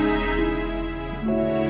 agar kamu tidak berfungsi